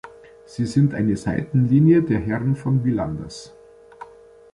Sie sind eine Seitenlinie der Herren von Villanders.